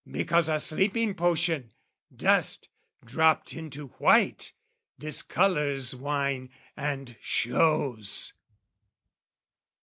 Because a sleeping potion, dust "Dropped into white, discolours wine and shows."